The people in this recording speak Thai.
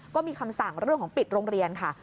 ก็มีคำสั่งเรื่องของปิดโรงเรียนค่ะ